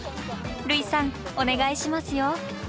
類さんお願いしますよ。